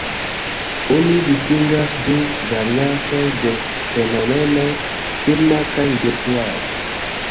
Oni distingas du variantoj de fenomeno: firma kaj virtuala.